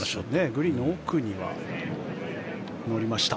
グリーンの奥には止まりました。